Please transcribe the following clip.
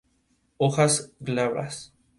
Hojas glabras.